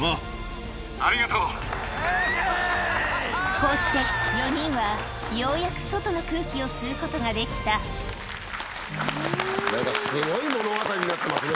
こうして４人はようやく外の空気を吸うことができた何かすごい物語になってますね